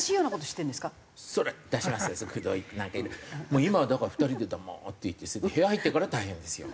もう今はだから２人で黙って行って部屋入ってから大変ですよ。